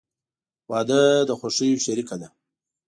• واده د خوښیو شریکه ده.